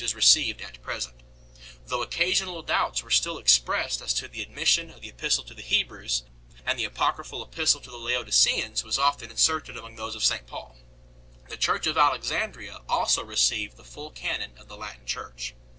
is received at present, though occasional doubts were still expressed as to the admission of the Epistle to the Hebrews, and the apocryphal Epistle to the Laodiceans was often inserted among those of St Paul. The Church of Alex andria also received the full canon of the Latin Church.